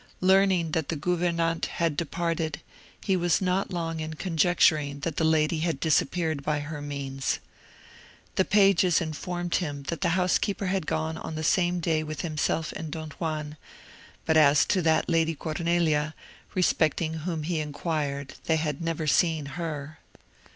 Learning that the gouvernante had departed, he was not long in conjecturing that the lady had disappeared by her means. The pages informed him that the housekeeper had gone on the same day with himself and Don Juan, but as to that Lady Cornelia, respecting whom he inquired, they had never seen her.